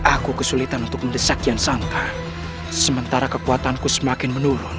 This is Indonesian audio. aku kesulitan untuk mendesak jansangkan sementara kekuatanku semakin menurun